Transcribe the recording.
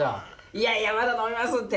いやいやまだ飲めますって。